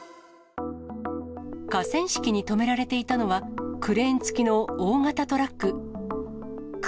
河川敷に止められていたのは、クレーンつきの大型トラック。